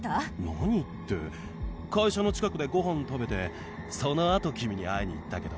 何って会社の近くでご飯を食べてそのあと君に会いに行ったけど。